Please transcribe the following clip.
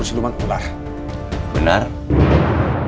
sileuman ular itu nyata